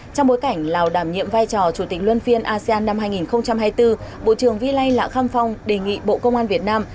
trong bối cảnh lào đảm nhiệm vai trò chủ tịch luân phiên asean năm hai nghìn hai mươi bốn bộ trưởng vi lai lạ kham phong đề nghị bộ công an việt nam